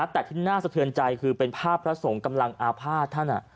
แต่ที่น่าสะเทือนใจคือเป็นภาพพระสงฆ์กำลังอาภาษณ์ท่าน